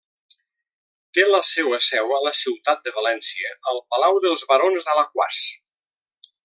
Té la seua seu a la ciutat de València, al palau dels Barons d'Alaquàs.